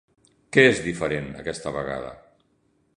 Què és diferent, aquesta vegada?